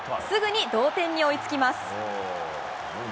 すぐに同点に追いつきます。